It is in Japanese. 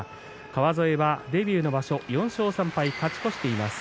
川副はデビューの場所を４勝３敗で勝ち越しています。